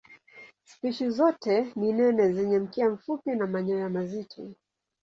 Spishi zote ni nene zenye mkia mfupi na manyoya mazito.